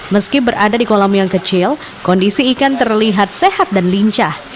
meski berada di kolam yang kecil kondisi ikan terlihat sehat dan lincah